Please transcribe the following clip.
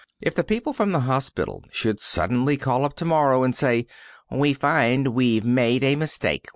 If the people from the hospital should suddenly call up to morrow and say, "We find we've made a mistake.